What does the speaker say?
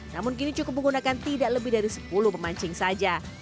namun kini cukup menggunakan tidak lebih dari sepuluh pemancing saja